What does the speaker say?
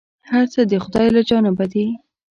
هر څه د خداى له جانبه دي ،